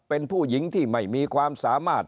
เป็นผู้หญิงที่ไม่มีความสามารถ